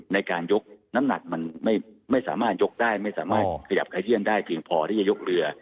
ในการยกน้ำหนักมันไม่ไม่สามารถยกได้ไม่สามารถกระเทียงได้ถึงพอที่ต้อง